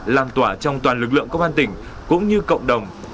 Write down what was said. làm tỏa trong toàn lực lượng công an tỉnh cũng như cộng đồng